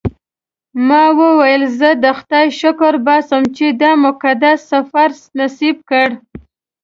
ما وویل زه د خدای شکر باسم چې دا مقدس سفر یې نصیب کړ.